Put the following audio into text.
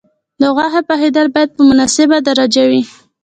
د غوښې پخېدل باید په مناسبه درجه وي.